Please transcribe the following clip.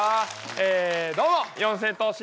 えどうも四千頭身です。